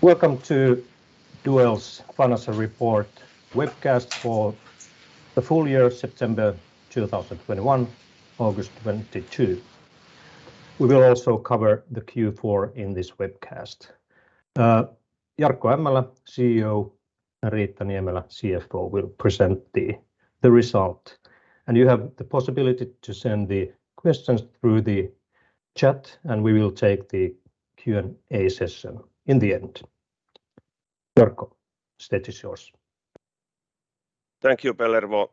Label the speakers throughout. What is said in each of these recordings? Speaker 1: Welcome to Duell's Financial Report webcast for the full year of September 2021, August 2022. We will also cover the Q4 in this webcast. Jarkko Ämmälä, CEO, Riitta Niemelä, CFO, will present the result. You have the possibility to send the questions through the chat, and we will take the Q&A session in the end. Jarkko, stage is yours.
Speaker 2: Thank you, Pellervo,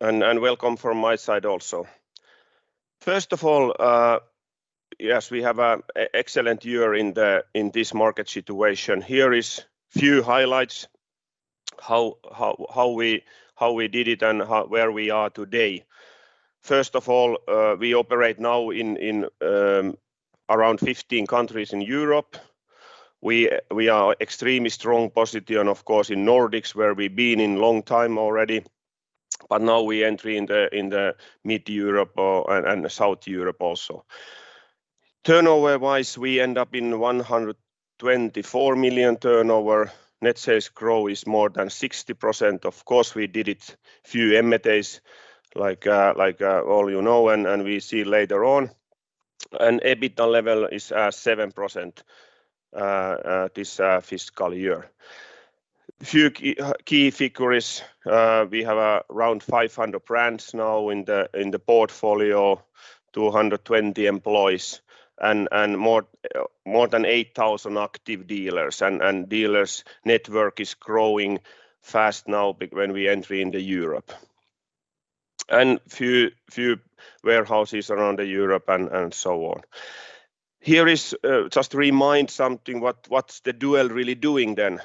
Speaker 2: and welcome from my side also. First of all, yes, we have an excellent year in this market situation. Here is few highlights, how we did it and where we are today. First of all, we operate now in around 15 countries in Europe. We are extremely strong position of course in Nordics, where we've been in long time already, but now we enter in the mid-Europe and the South Europe also. Turnover-wise, we end up in 124 million turnover. Net sales growth is more than 60%. Of course, we did few M&As like, as you know, and we see later on. EBITDA level is at 7% this fiscal year. Few key figures. We have around 500 brands now in the portfolio, 220 employees and more than 8,000 active dealers. Dealers network is growing fast now when we enter into Europe. Few warehouses around Europe and so on. Here is just to remind something, what's Duell really doing then.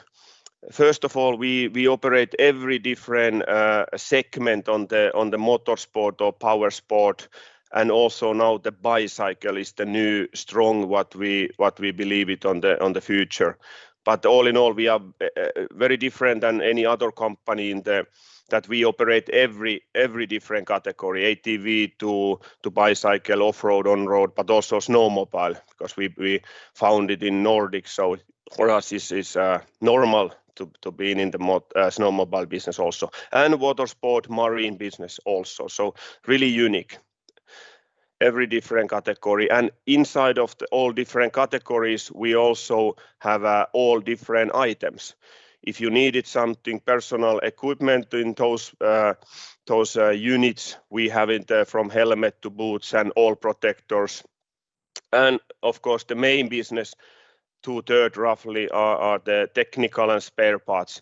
Speaker 2: First of all, we operate every different segment on the motorsport or powersport, and also now the bicycle is the new strong what we believe it on the future. But all in all, we are very different than any other company that we operate every different category, ATV to bicycle, off-road, on-road, but also snowmobile, because we founded in Nordic. For us, this is normal to being in the snowmobile business also, and water sport, marine business also. Really unique. Every different category. Inside of the all different categories, we also have all different items. If you needed something personal equipment in those units, we have it from helmet to boots and all protectors. Of course, the main business, two-thirds roughly are the technical and spare parts.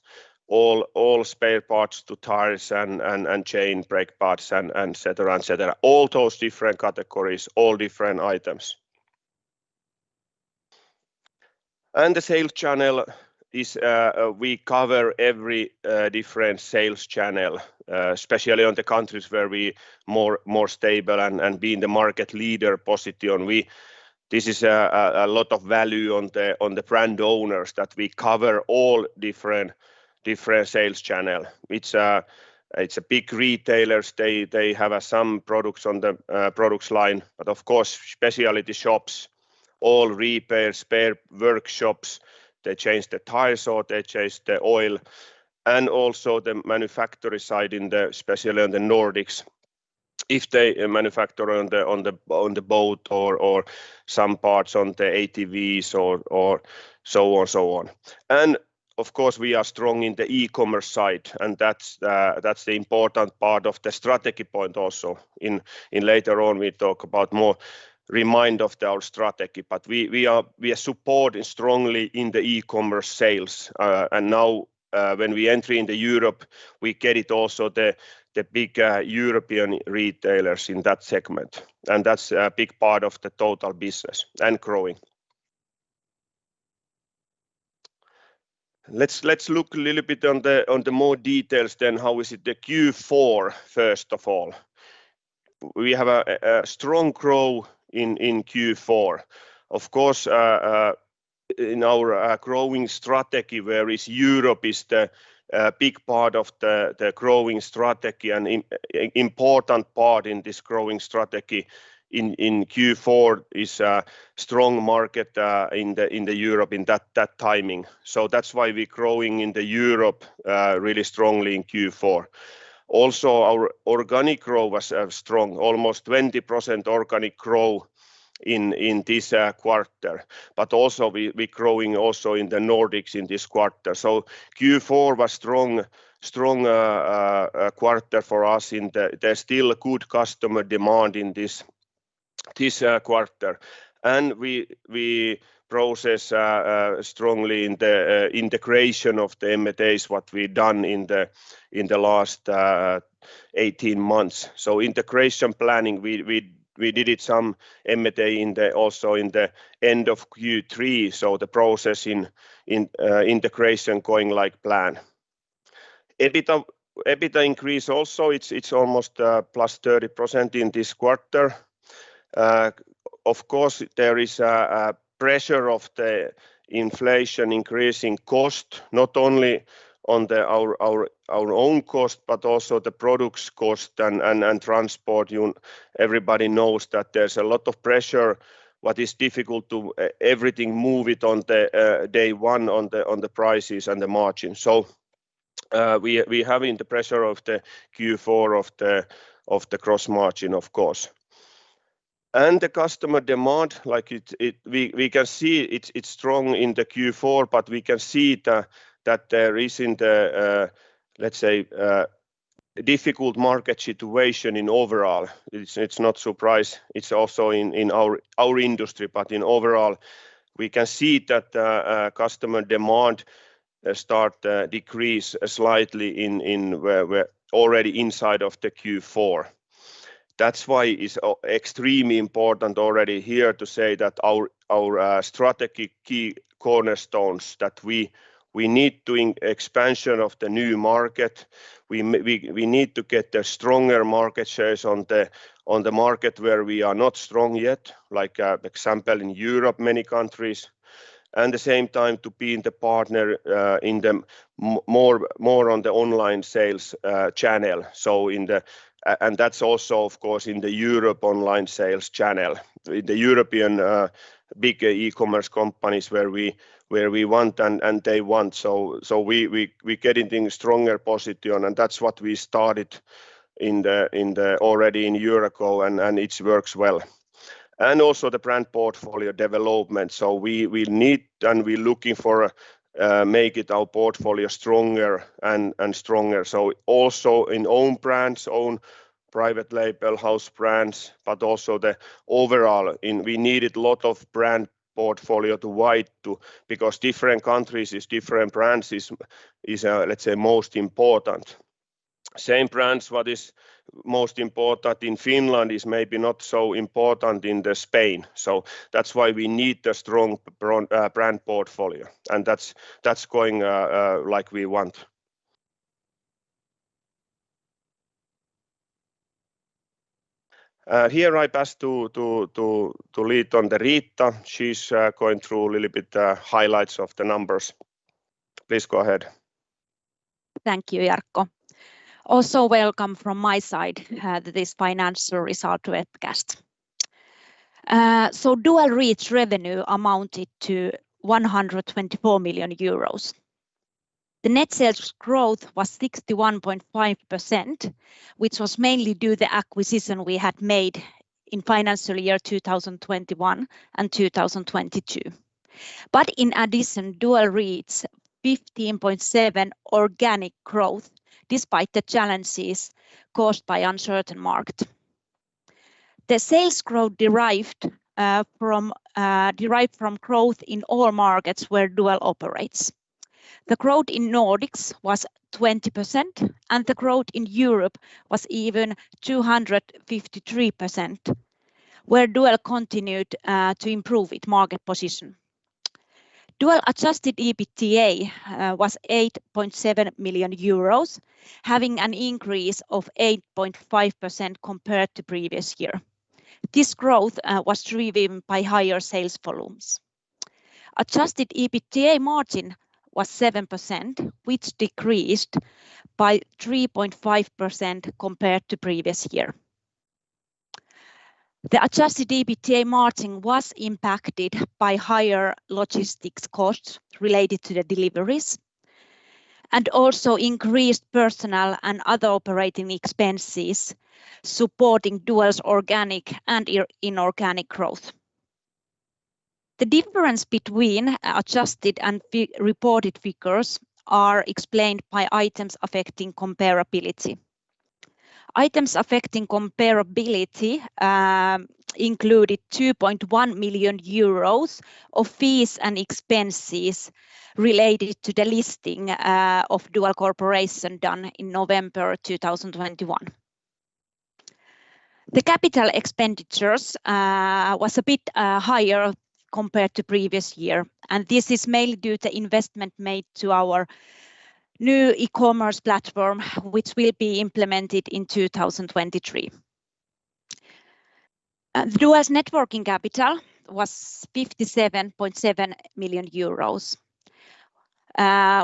Speaker 2: All spare parts to tires and chain, brake parts and et cetera. All those different categories, all different items. The sales channel is, we cover every different sales channel, especially on the countries where we more stable and being the market leader position. This is a lot of value for the brand owners that we cover all different sales channels with big retailers. They have some products in the product line, but of course, specialty shops, all repair spare workshops, they change the tires or they change the oil, and also the manufacturer side, especially in the Nordics, if they manufacture on the boat or some parts on the ATVs or so on. We are strong in the e-commerce side, and that's the important part of the strategy point also. Later on, we talk more about our strategy. We are supporting strongly in the e-commerce sales. Now, when we enter into Europe, we get it also the big European retailers in that segment. That's a big part of the total business, and growing. Let's look a little bit on the more details then how is it the Q4, first of all. We have a strong growth in Q4. Of course, in our growing strategy, whereas Europe is the big part of the growing strategy and important part in this growing strategy in Q4 is strong market in the Europe in that timing. That's why we're growing in the Europe really strongly in Q4. Also, our organic growth was strong, almost 20% organic growth in this quarter. We growing also in the Nordics in this quarter. Q4 was strong quarter for us. There's still a good customer demand in this quarter. We progress strongly in the integration of the M&As what we've done in the last 18 months. Integration planning, we did some M&A also in the end of Q3. The process in integration going as planned. EBITDA increase also, it's almost +30% in this quarter. Of course, there is a pressure of the inflation increasing cost, not only on our own cost, but also the products cost and transport. Everybody knows that there's a lot of pressure on what is difficult to get everything moving on the day-to-day on the prices and the margin. We have the pressure on the Q4 gross margin, of course. Customer demand, like it. We can see it's strong in the Q4, but we can see that there is, let's say, a difficult market situation overall. It's not a surprise. It's also in our industry, but overall, we can see that customer demand starts to decrease slightly in. We're already inside of the Q4. That's why it's extremely important already here to say that our strategy key cornerstones that we need to do expansion of the new market. We need to get stronger market shares on the market where we are not strong yet, like for example in Europe, many countries. At the same time to be the partner in the more on the online sales channel, so in the European online sales channel. The European bigger e-commerce companies where we want and they want, so we getting a stronger position, and that's what we started already a year ago, and it works well. Also the brand portfolio development. We need, and we're looking for to make our portfolio stronger and stronger. Also in own brands, own private label house brands, but also the overall in. We needed a lot of brand portfolio to widen. Because different countries is different brands, let's say, most important. Same brands what is most important in Finland is maybe not so important in Spain. That's why we need a strong brand portfolio, and that's going like we want. Here I pass the lead on to Riitta. She's going through a little bit highlights of the numbers. Please go ahead.
Speaker 3: Thank you, Jarkko. Also, welcome from my side, this financial result webcast. Duell's revenue amounted to 124 million euros. The net sales growth was 61.5%, which was mainly due to the acquisition we had made in financial year 2021 and 2022. In addition, Duell reached 15.7% organic growth despite the challenges caused by an uncertain market. The sales growth derived from growth in all markets where Duell operates. The growth in Nordics was 20%, and the growth in Europe was even 253%, where Duell continued to improve its market position. Duell's Adjusted EBITDA was 8.7 million euros, having an increase of 8.5% compared to the previous year. This growth was driven by higher sales volumes. Adjusted EBITDA margin was 7%, which decreased by 3.5% compared to previous year. The Adjusted EBITDA margin was impacted by higher logistics costs related to the deliveries and also increased personnel and other operating expenses supporting Duell's organic and inorganic growth. The difference between adjusted and reported figures are explained by items affecting comparability. Items affecting comparability included 2.1 million euros of fees and expenses related to the listing of Duell Corporation done in November 2021. The capital expenditures was a bit higher compared to previous year, and this is mainly due to investment made to our new e-commerce platform, which will be implemented in 2023. Duell's net working capital was 57.7 million euros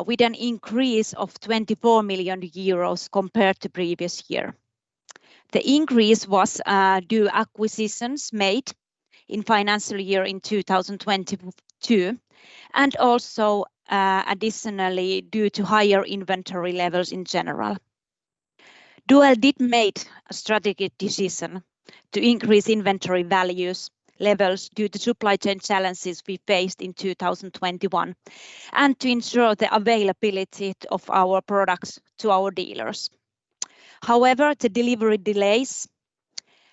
Speaker 3: with an increase of 24 million euros compared to previous year. The increase was due to acquisitions made in financial year in 2022, and also additionally due to higher inventory levels in general. Duell did make a strategic decision to increase inventory levels due to supply chain challenges we faced in 2021 and to ensure the availability of our products to our dealers. However, the delivery delays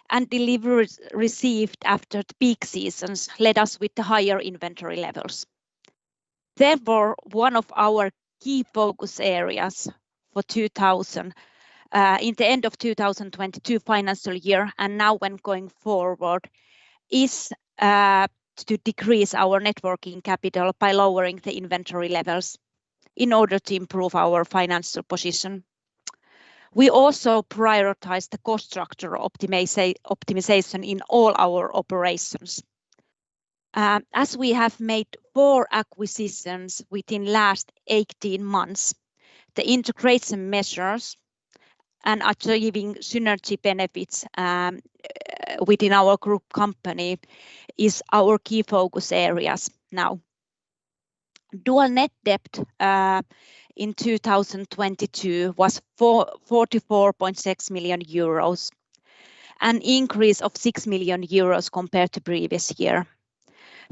Speaker 3: and deliveries received after the peak seasons left us with the higher inventory levels. Therefore, one of our key focus areas for 2022, in the end of 2022 financial year and now when going forward, is to decrease our net working capital by lowering the inventory levels in order to improve our financial position. We also prioritize the cost structure optimization in all our operations. As we have made four acquisitions within last 18 months, the integration measures and achieving synergy benefits within our group company is our key focus areas now. Duell's net debt in 2022 was 44.6 million euros, an increase of 6 million euros compared to previous year.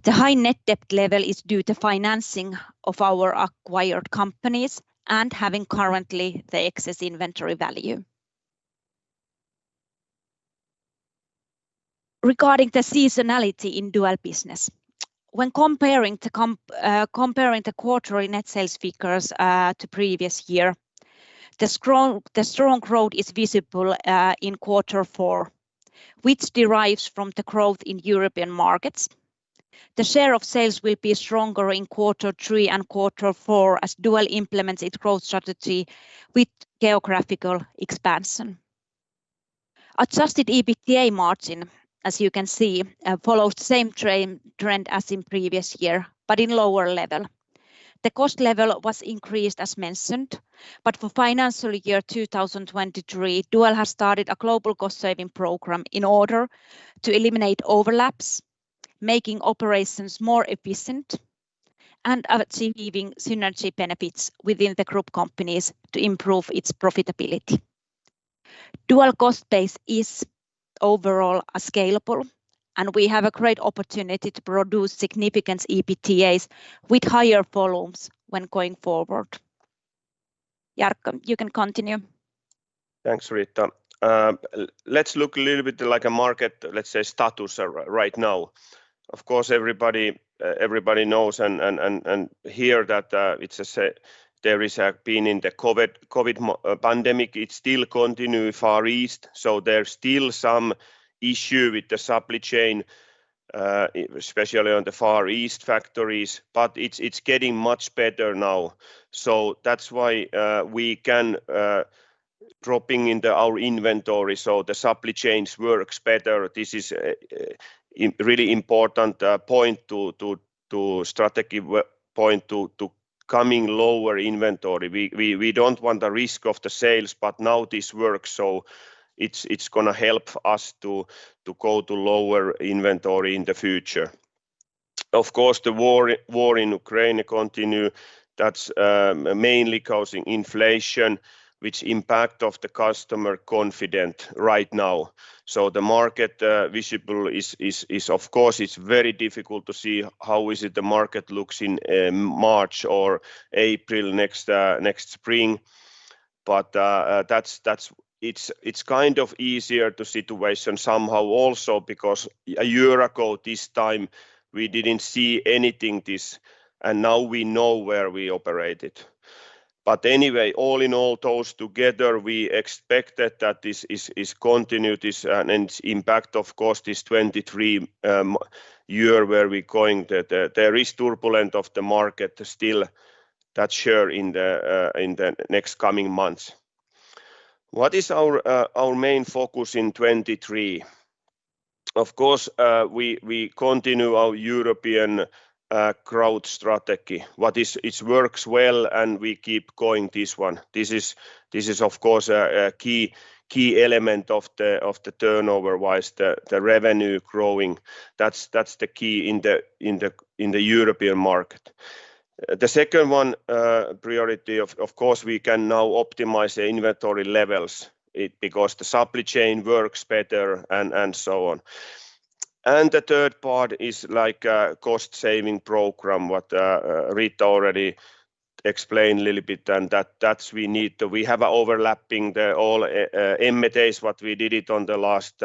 Speaker 3: The high net debt level is due to financing of our acquired companies and having currently the excess inventory value. Regarding the seasonality in Duell business, when comparing the quarterly net sales figures to previous year, the strong growth is visible in quarter four, which derives from the growth in European markets. The share of sales will be stronger in quarter three and quarter four as Duell implements its growth strategy with geographical expansion. Adjusted EBITDA margin, as you can see, follows the same trend as in previous year, but in lower level. The cost level was increased as mentioned, but for financial year 2023, Duell has started a global cost-saving program in order to eliminate overlaps, making operations more efficient, and achieving synergy benefits within the group companies to improve its profitability. Duell cost base is overall scalable, and we have a great opportunity to produce significant EBITDAs with higher volumes when going forward. Jarkko, you can continue.
Speaker 2: Thanks, Riitta. Let's look a little bit at the market, let's say, status right now. Of course, everybody knows that we have been in the COVID-19 pandemic. It's still continuing in the Far East, so there's still some issue with the supply chain, especially in the Far East factories. But it's getting much better now. So that's why we can drop our inventory so the supply chain works better. This is a really important point to our strategy with lower inventory. We don't want the risk to sales, but now this works, so it's gonna help us to go to lower inventory in the future. Of course, the war in Ukraine continues. That's mainly inflation, which impacts customer confidence right now. The market visibility is of course very difficult to see how the market looks in March or April next spring. That's kind of an easier situation somehow also because a year ago this time we didn't see anything like this and now we know where we operate. Anyway, all in all, those together, we expect that this will continue, and its impact of course on this 2023 year where we're going. There is turbulence in the market still that year in the next coming months. What is our main focus in 2023? Of course, we continue our European growth strategy. What is... It works well and we keep going this one. This is of course a key element of the turnover-wise, the revenue growing. That's the key in the European market. The second one, priority of course, we can now optimize the inventory levels because the supply chain works better and so on. The third part is like cost-saving program that Riitta already explained a little bit, and that's what we need. We have overlaps in all M&As that we did in the last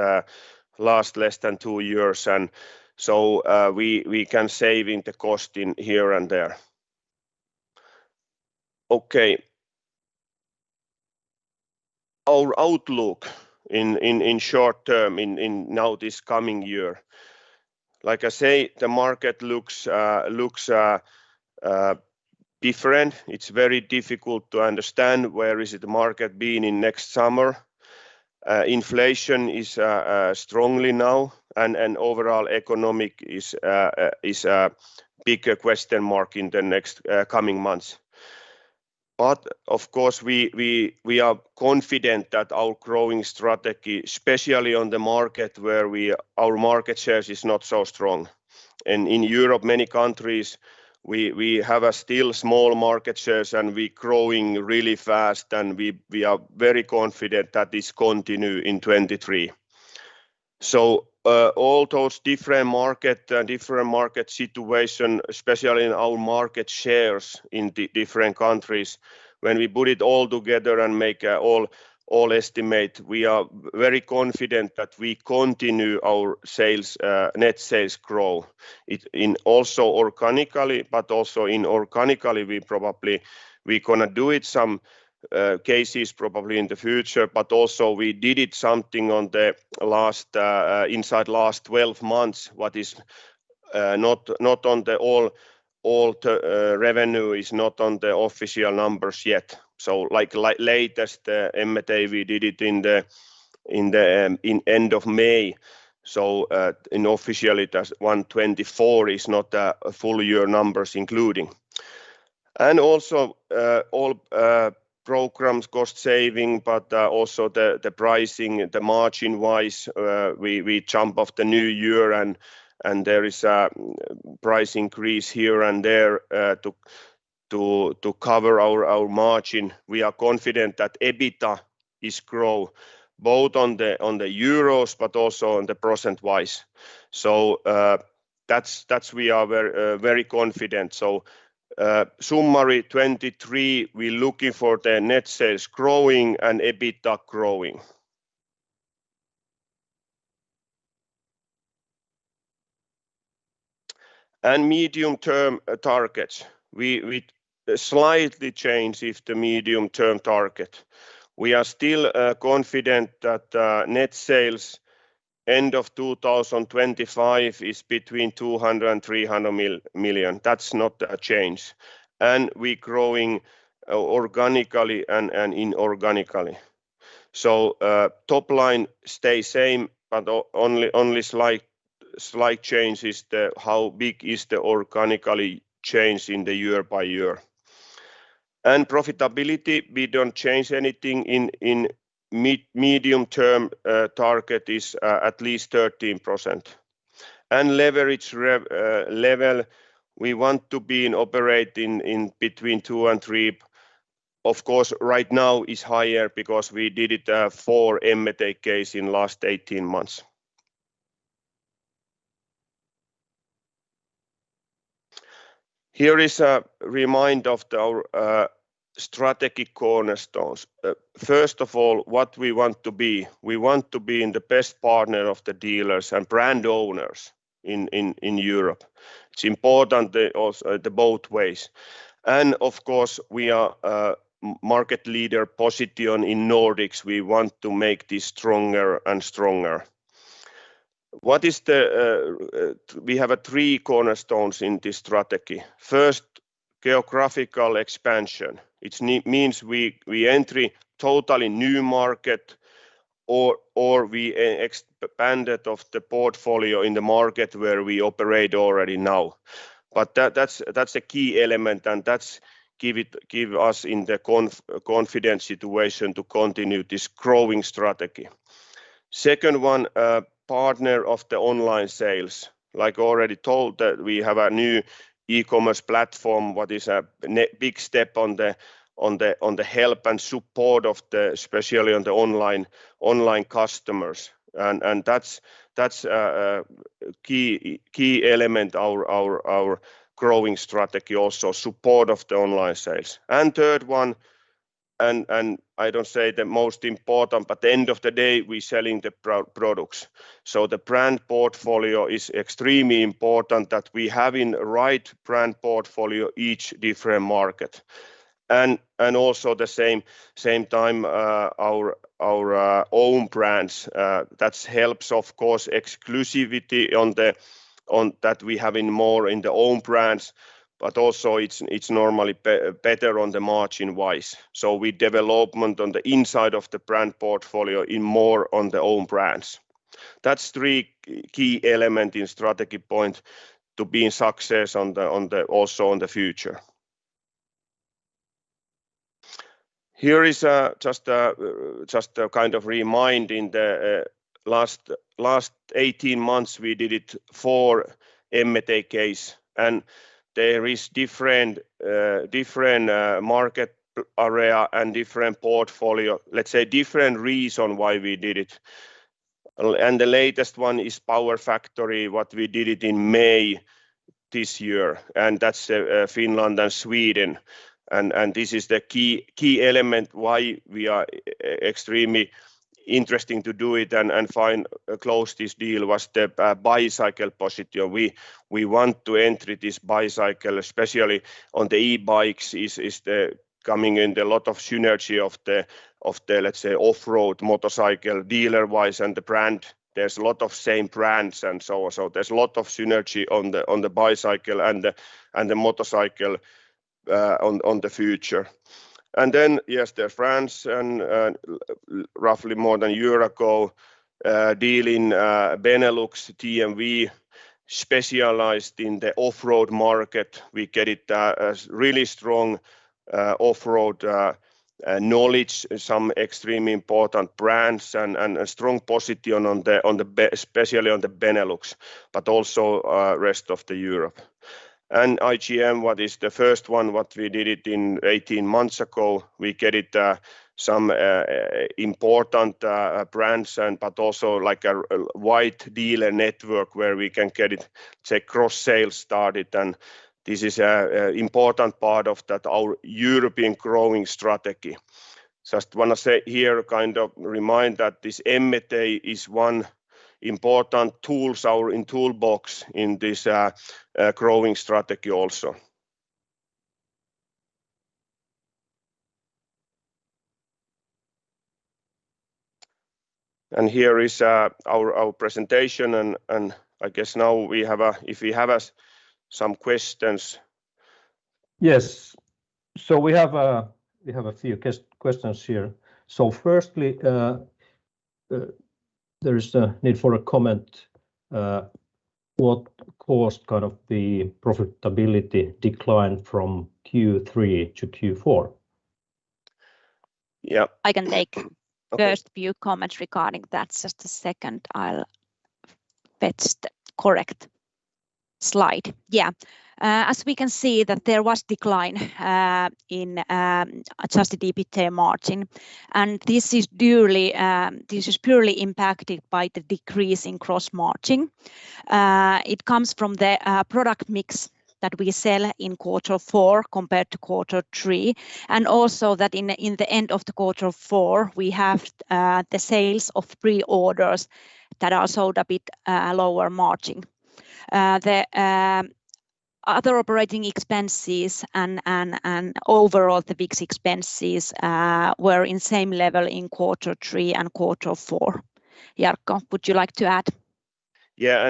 Speaker 2: less than two years and so we can save on costs here and there. Okay. Our outlook in short term, now this coming year. Like I say, the market looks different. It's very difficult to understand where is the market being in next summer. Inflation is strongly now and overall economic is a bigger question mark in the next coming months. Of course, we are confident that our growing strategy, especially on the market where our market shares is not so strong. In Europe, many countries, we have still small market shares and we growing really fast and we are very confident that this continue in 2023. All those different market different market situation, especially in our market shares in different countries, when we put it all together and make all estimate, we are very confident that we continue our sales net sales growth. We grew also organically, but also inorganically. We gonna do it in some cases probably in the future, but also we did it in the last 12 months, what is not all the revenue is not on the official numbers yet. So like latest M&A we did in the end of May. So, unofficially that 2024 is not full year numbers including. Also all programs cost saving, but also the pricing, the margin-wise, we jump off the new year and there is a price increase here and there to cover our margin. We are confident that EBITDA is grow both on the euros but also on the percent-wise. We are very confident. Summary 2023, we're looking for the net sales growing and EBITDA growing. Medium-term targets. We slightly change in the medium-term target. We are still confident that net sales end of 2025 is between 200 million and 300 million. That's not a change. We growing organically and inorganically. Top line stay same, but only slight change is the how big is the organically change in the year by year. Profitability, we don't change anything in medium-term target is at least 13%. Leverage level, we want to be operating in between two and three. Of course, right now is higher because we did it for M&A case in last 18 months. Here is a reminder of our strategic cornerstones. First of all, what we want to be. We want to be the best partner of the dealers and brand owners in Europe. It's important, the both ways. Of course we are market leader position in Nordics. We want to make this stronger and stronger. We have three cornerstones in this strategy. First, geographical expansion. It means we enter totally new market or we expand the portfolio in the market where we operate already now. That's a key element, and that gives us the confidence to continue this growing strategy. Second one, partner of the online sales. Like already told, that we have a new e-commerce platform, what is a big step in helping and supporting the, especially the online customers. That's a key element of our growing strategy also in support of the online sales. Third one, I don't say the most important, but at the end of the day, we selling the products. So the brand portfolio is extremely important that we have the right brand portfolio in each different market. Also at the same time, our own brands, that helps of course exclusivity in the fact that we have more in the own brands, but also it's normally better margin-wise. So we development on the inside of the brand portfolio in more on the own brands. That's three key element in strategy point to be in success on the also on the future. Here is just a kind of reminder in the last 18 months, we did four M&A cases. There is different market area and different portfolio. Let's say different reason why we did it. The latest one is PowerFactory, what we did it in May this year, and that's Finland and Sweden. This is the key element why we are extremely interested to do it and find close this deal was the bicycle position. We want to enter this bicycle, especially on the e-bikes is coming in a lot of synergy of the let's say off-road motorcycle dealer-wise and the brand. There's a lot of same brands and so on. There's a lot of synergy in the bicycle and the motorcycle in the future. Yes, the [TMV], roughly more than a year ago, deal in Benelux, TMV, specialized in the off-road market. We got a really strong off-road knowledge, some extremely important brands and a strong position, especially in the Benelux, but also rest of Europe. IGM, which is the first one we did 18 months ago, we got some important brands but also like a wide dealer network where we can get it, say, cross-selling started. This is an important part of our European growth strategy. Just wanna say here, kind of remind that this M&A is one important tool in our toolbox in this growing strategy also. Here is our presentation and I guess now we have Q&A if we have some questions.
Speaker 1: Yes. We have a few questions here. Firstly, there is a need for a comment. What caused kind of the profitability decline from Q3 to Q4?
Speaker 2: Yeah.
Speaker 3: I can take-
Speaker 2: Okay
Speaker 3: - first few comments regarding that. Just a second. I'll fetch the correct slide. Yeah. As we can see that there was decline in Adjusted EBITDA margin, and this is purely impacted by the decrease in gross margin. It comes from the product mix that we sell in quarter four compared to quarter three, and also that in the end of quarter four, we have the sales of pre-orders that are sold a bit lower margin. The other operating expenses and overall the fixed expenses were in same level in quarter three and quarter four. Jarkko, would you like to add?
Speaker 2: Yeah.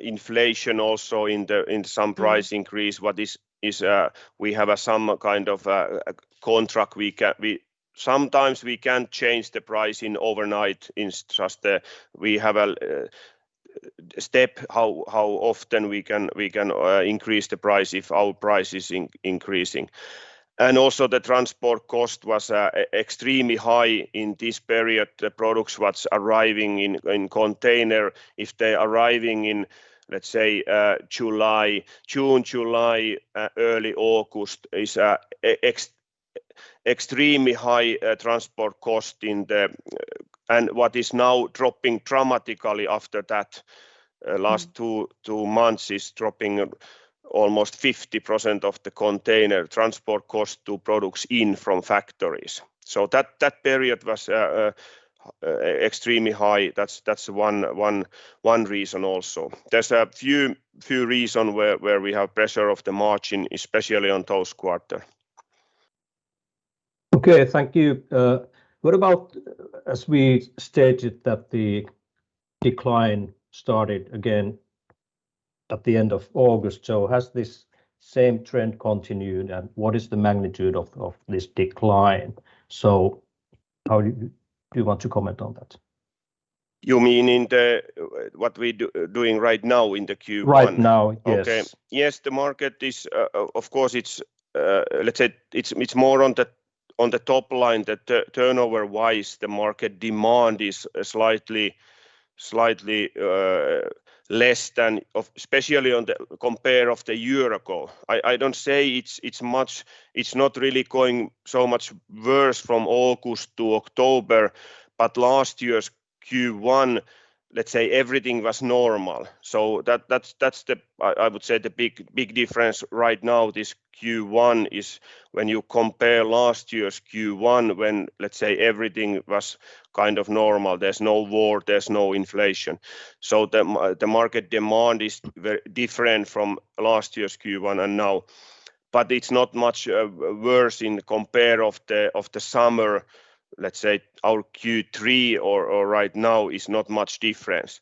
Speaker 2: Inflation also in some price increase. We have some kind of contract. Sometimes we can't change the pricing overnight. We have a step how often we can increase the price if our price is increasing. The transport cost was extremely high in this period. The products was arriving in container. If they're arriving in, let's say, June, July, early August is extremely high transport cost. What is now dropping dramatically after that, last two months is dropping almost 50% of the container transport cost to products in from factories. That period was extremely high. That's one reason also. There's a few reasons where we have pressure on the margin, especially on those quarters.
Speaker 1: Okay. Thank you. What about as we stated that the decline started again at the end of August. Has this same trend continued, and what is the magnitude of this decline? Do you want to comment on that?
Speaker 2: You mean in the, what we doing right now in the Q1?
Speaker 1: Right now, yes.
Speaker 2: Okay. Yes, the market is, of course it's. Let's say it's more on the top line that turnover-wise the market demand is slightly less than especially compared to a year ago. I don't say it's much. It's not really going so much worse from August to October, but last year's Q1, let's say everything was normal. That's the big difference right now this Q1 is when you compare last year's Q1, when everything was kind of normal. There's no war. There's no inflation. So the market demand is very different from last year's Q1 and now. It's not much worse compared to the summer. Let's say our Q3 or right now is not much difference.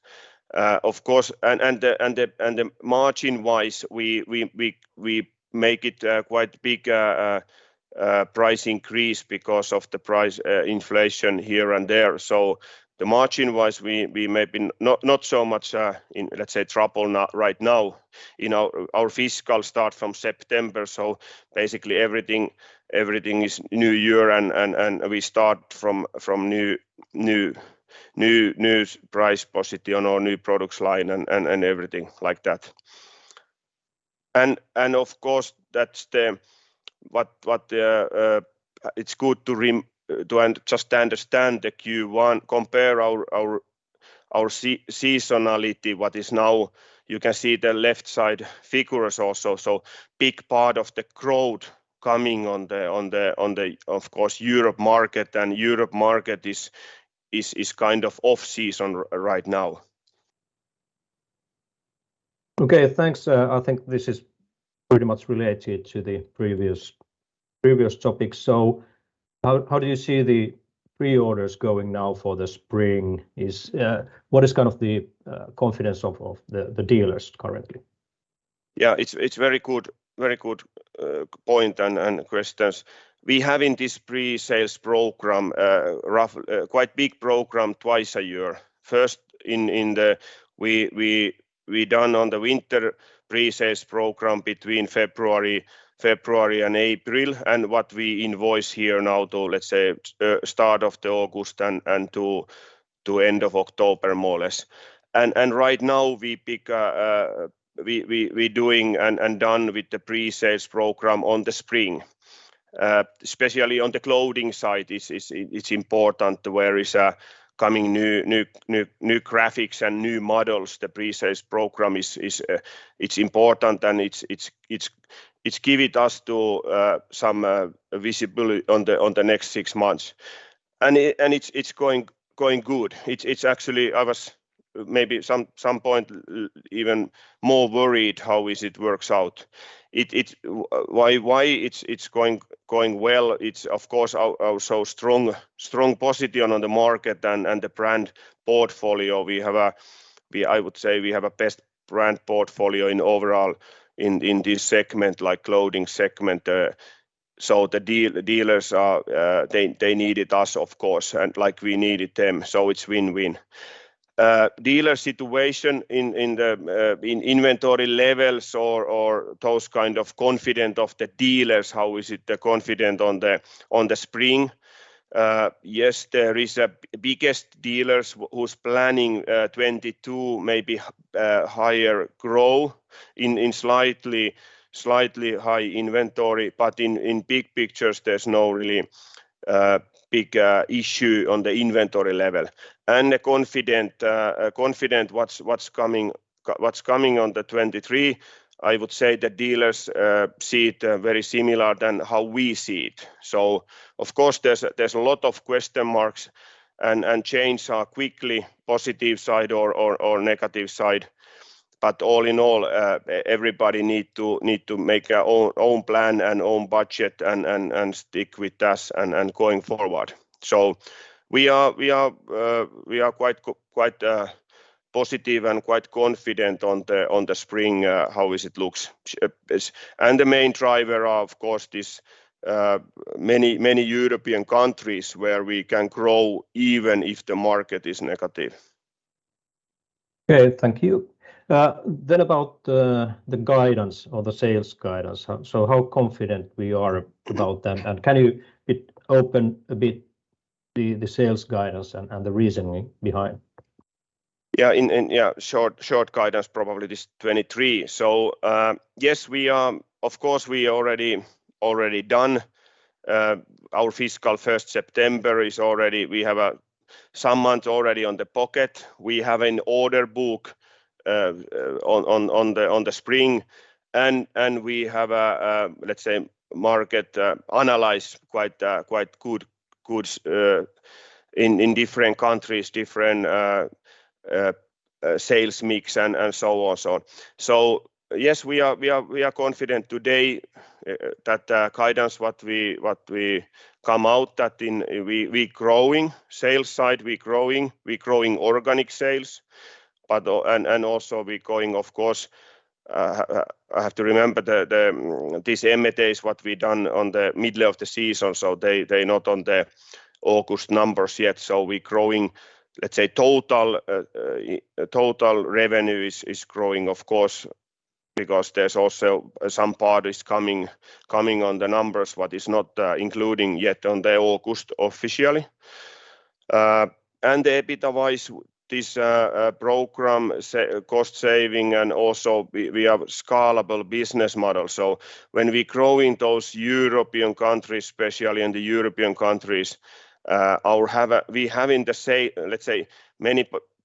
Speaker 2: Of course, the margin-wise, we make quite big price increase because of the price inflation here and there. Margin-wise, we may be not so much in, let's say, trouble right now. You know, our fiscal start from September, so basically everything is new year and we start from new price position or new products line and everything like that. Of course, it's good to just understand the Q1, compare our seasonality, what is now. You can see the left side figures also. Big part of the growth coming on the Europe market, of course, and Europe market is kind of off-season right now.
Speaker 1: Okay. Thanks. I think this is pretty much related to the previous topic. How do you see the pre-orders going now for the spring? What is kind of the confidence of the dealers currently?
Speaker 2: Yeah. It's very good point and questions. We have in this pre-sales program quite big program twice a year. First, we do the winter pre-sales program between February and April, and what we invoice here now to, let's say, start of the August and to end of October more or less. Right now we are doing and done with the pre-sales program in the spring. Especially on the clothing side, it's important with new graphics and new models. The pre-sales program is important and it gives us some visibility on the next six months. It's going good. It's actually I was maybe some point even more worried how it works out. Why it's going well, it's of course our so strong position on the market and the brand portfolio. I would say we have the best brand portfolio overall in this segment, like clothing segment. So the dealers are, they needed us of course and like we needed them, so it's win-win. Dealer situation in the inventory levels or those kind of confidence of the dealers, how is the confidence in the spring? Yes, there are the biggest dealers who's planning 2022 maybe higher growth in slightly higher inventory. In big pictures, there's no really big issue on the inventory level. The confidence what's coming on the 2023, I would say the dealers see it very similar than how we see it. Of course there's a lot of question marks and change quickly, positive side or negative side. All in all, everybody need to make their own plan and own budget and stick with us and going forward. We are quite positive and quite confident on the spring, how it looks. The main driver are of course many European countries where we can grow even if the market is negative.
Speaker 1: Okay, thank you. About the guidance or the sales guidance. How confident we are about them? Can you open a bit the sales guidance and the reasoning behind?
Speaker 2: Yeah. In short, guidance probably this 2023. Yes, we are of course already done our fiscal first September is already. We have some months already in the pocket. We have an order book on the spring and we have a let's say market analysis quite good in different countries, different sales mix and so on. Yes, we are confident today that guidance what we come out that in we growing sales side we growing organic sales. We growing of course, I have to remember this M&As what we done in the middle of the season, so they not in the August numbers yet. We growing, let's say total revenue is growing of course, because there's also some part is coming in the numbers what is not including yet in the August officially. And the EBITDA-wise, this cost saving program and also we have scalable business model. When we grow in those European countries, especially in the European countries, we have in the let's say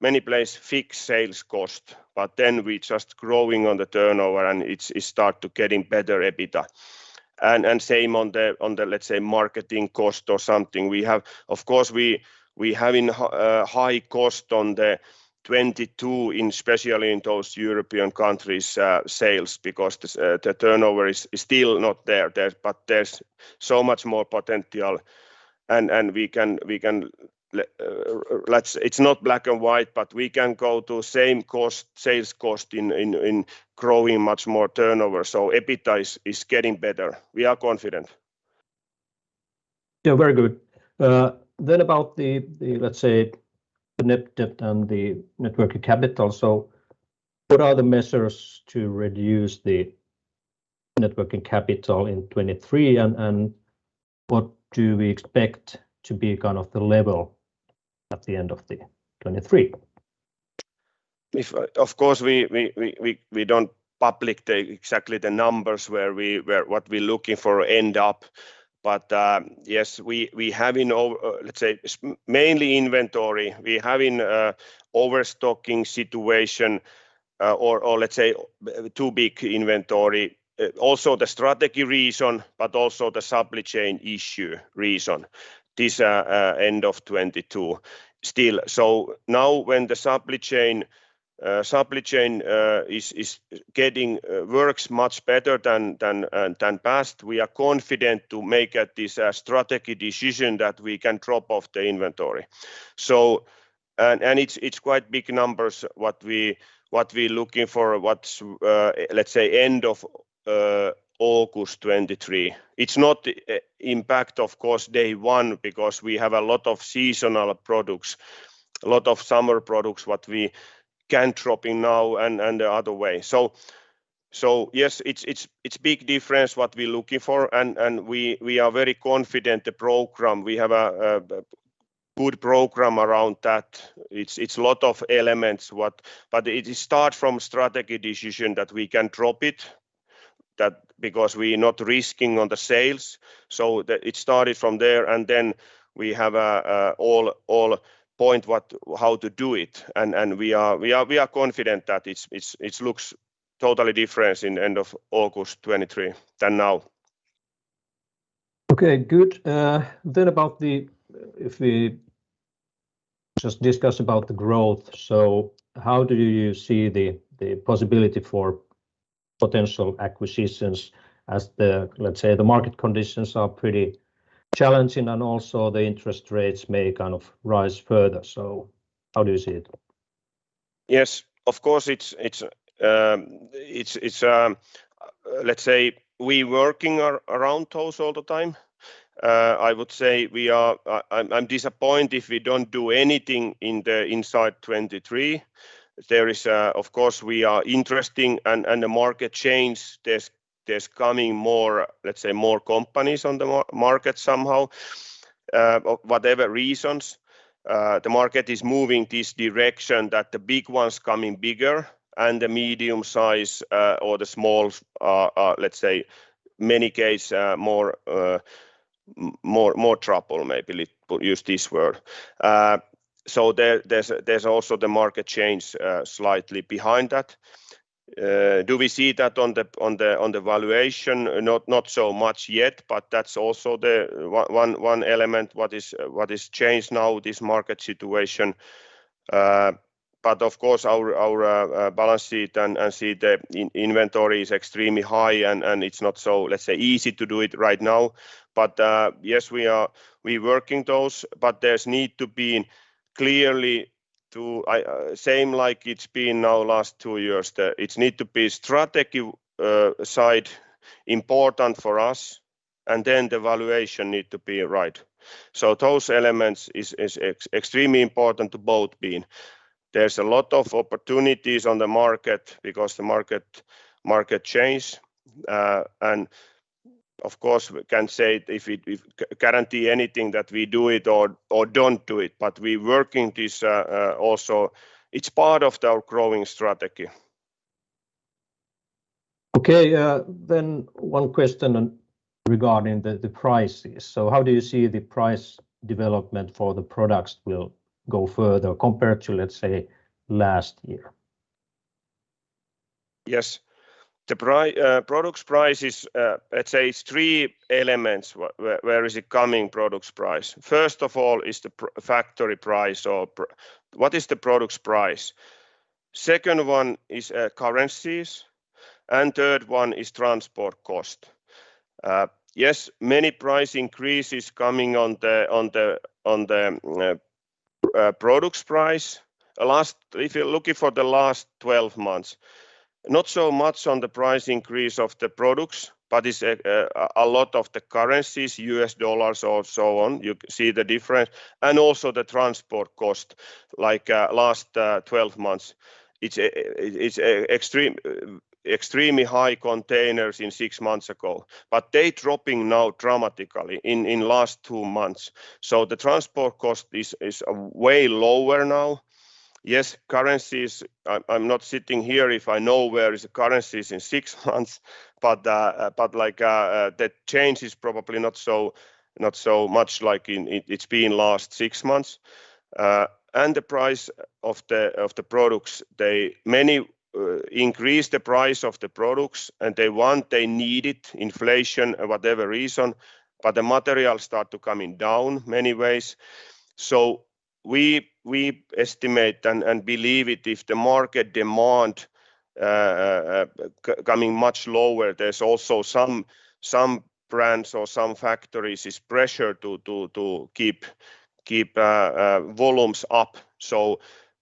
Speaker 2: many places fixed sales cost. Then we just growing on the turnover and it start to getting better EBITDA. Same on the, let's say, marketing cost or something. We have. Of course we having high cost on the 2022 especially in those European countries sales because the turnover is still not there. There's so much more potential. It's not black and white, but we can go to same cost, sales cost in growing much more turnover, so EBITDA is getting better. We are confident.
Speaker 1: Yeah, very good. Then about the, let's say, the net debt and the net working capital. What are the measures to reduce the net working capital in 2023 and what do we expect to be kind of the level at the end of the 2023?
Speaker 2: Of course, we don't publish the exact numbers where what we're looking for end up. But yes, we have, let's say, mainly inventory. We have an overstocking situation, or let's say too big inventory. Also the strategic reason, but also the supply chain issue reason. This end of 2022 still. Now when the supply chain is working much better than the past, we are confident to make this strategic decision that we can drop off the inventory. It's quite big numbers what we're looking for, what's let's say end of August 2023. It's not impact of course day one because we have a lot of seasonal products, a lot of summer products that we can't drop in now and the other way. Yes, it's big difference that we're looking for and we are very confident the program. We have a good program around that. It's lot of elements that. It is start from strategy decision that we can drop it, that because we're not risking on the sales. It started from there and then we have all point what, how to do it. We are confident that it's looks totally different in end of August 2023 than now.
Speaker 1: Okay, good. About the, if we just discuss about the growth, so how do you see the possibility for potential acquisitions as the, let's say, the market conditions are pretty challenging and also the interest rates may kind of rise further? How do you see it?
Speaker 2: Yes, of course it's let's say we're working around those all the time. I would say I'm disappointed if we don't do anything in 2023. Of course we are interested in the market change. There's coming more, let's say, more companies on the market somehow. But for whatever reasons, the market is moving this direction that the big ones coming bigger and the medium size or the small, let's say in many cases more trouble maybe, let's use this word. So there's also the market change slightly behind that. Do we see that on the valuation? Not so much yet, but that's also the one element what is changed now, this market situation. Of course our balance sheet and the inventory is extremely high and it's not so, let's say, easy to do it right now. Yes, we are working those, but there's need to be clearly to same like it's been now last two years. It's need to be strategic side important for us, and then the valuation need to be right. Those elements is extremely important to both been. There's a lot of opportunities on the market because the market change. Of course we can say if it guarantee anything that we do it or don't do it, but we working this also. It's part of our growing strategy.
Speaker 1: Okay. One question regarding the prices. How do you see the price development for the products will go further compared to, let's say, last year?
Speaker 2: Yes. The product prices, let's say it's three elements where the product price is coming from. First of all is the factory price or what is the product price. Second one is currencies, and third one is transport cost. Yes, many price increases coming on the product price. If you're looking for the last 12 months, not so much on the price increase of the products, but it's a lot of the currencies, U.S. dollars or so on, you see the difference, and also the transport cost. Like, last 12 months, it's extremely high containers six months ago, but they dropping now dramatically in last two months. The transport cost is way lower now. Yes, currencies. I'm not sitting here as if I know where the currencies are in six months, but like, the change is probably not so much like in the last six months. The price of the products, many increase the price of the products and they want, they need it, inflation or whatever reason, but the material start to coming down many ways. We estimate and believe that if the market demand coming much lower, there's also some brands or some factories are under pressure to keep volumes up.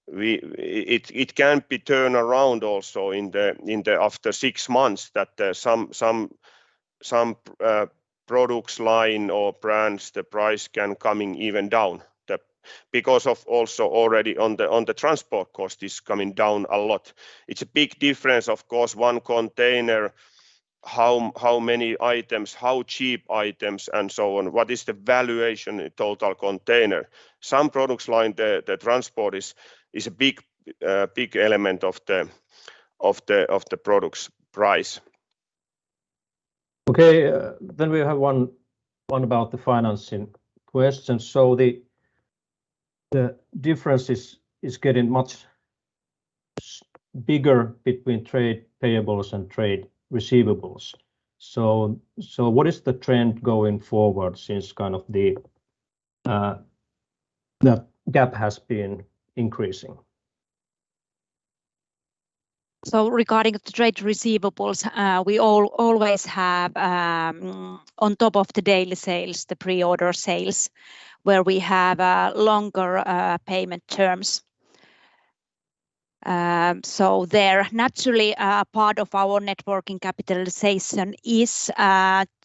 Speaker 2: It can be turned around also in the after six months that some product lines or brands, the price can coming even down. Because of also already on the transport cost is coming down a lot. It's a big difference of course one container, how many items, how cheap items and so on. What is the valuation in total container? Some products like the transport is a big element of the product's price.
Speaker 1: Okay. We have one about the financing question. The difference is getting much bigger between trade payables and trade receivables. What is the trend going forward since kind of the gap has been increasing?
Speaker 3: Regarding the trade receivables, we always have, on top of the daily sales, the pre-order sales, where we have longer payment terms. There naturally, part of our net working capital is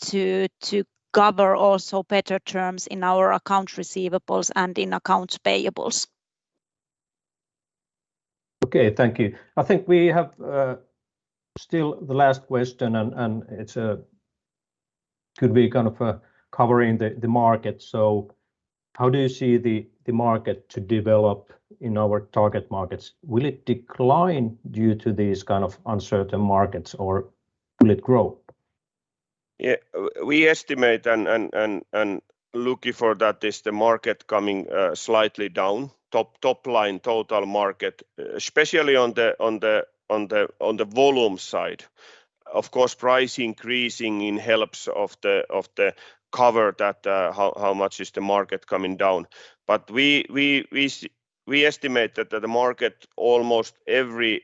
Speaker 3: to cover also better terms in our accounts receivable and in accounts payable.
Speaker 1: Okay, thank you. I think we have still the last question and it could be kind of covering the market. How do you see the market to develop in our target markets? Will it decline due to these kind of uncertain markets or will it grow?
Speaker 2: Yeah. We estimate and looking at that is the market coming slightly down. Top line total market, especially on the volume side. Of course, price increases help to cover that how much is the market coming down. We estimate that the market in almost every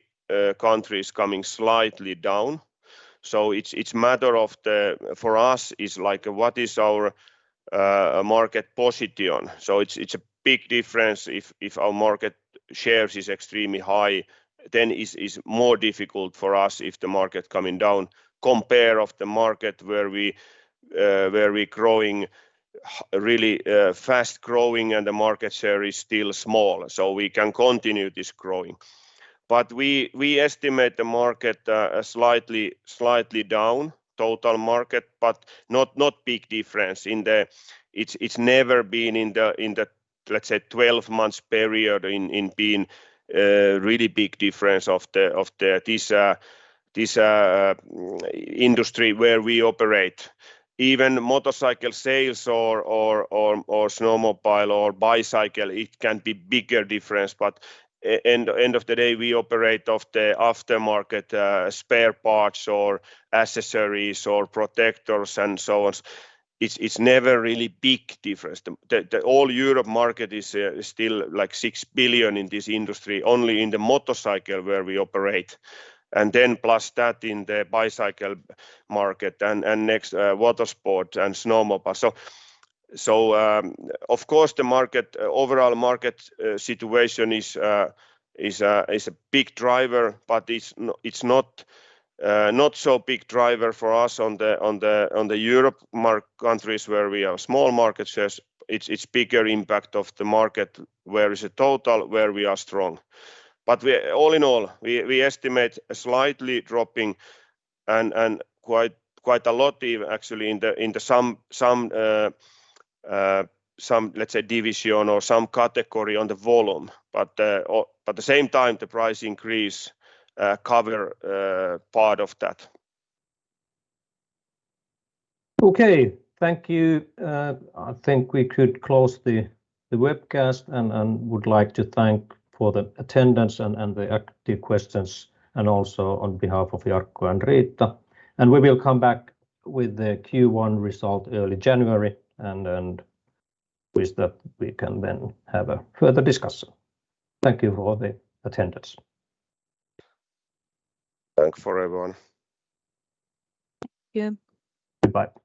Speaker 2: country is coming slightly down. It's a matter of the. For us is like what is our market position. It's a big difference if our market shares is extremely high, then it's more difficult for us if the market coming down compared to the market where we growing really fast growing and the market share is still small, so we can continue this growing. We estimate the market slightly down, total market, but not big difference in the. It's never been in the, let's say, 12 months period really big difference of the industry where we operate. Even motorcycle sales or snowmobile or bicycle, it can be bigger difference, but at the end of the day, we operate in the aftermarket spare parts or accessories or protectors and so on. It's never really big difference. The whole European market is still, like, 6 billion in this industry, only in the motorcycle where we operate. Then plus that in the bicycle market and next water sport and snowmobile. Of course, the overall market situation is a big driver, but it's not so big driver for us in the European countries where we have small market shares. It's bigger impact of the market where is a total, where we are strong. All in all, we estimate a slightly dropping and quite a lot even actually in some, let's say, division or some category on the volume. At the same time, the price increase covers part of that.
Speaker 1: Okay. Thank you. I think we could close the webcast, and would like to thank for the attendance and the active questions, and also on behalf of Jarkko and Riitta. We will come back with the Q1 result early January and with that we can then have a further discussion. Thank you for the attendance.
Speaker 2: Thanks for everyone.
Speaker 3: Thank you.
Speaker 1: Goodbye.